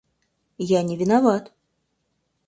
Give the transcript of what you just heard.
Я не виноват.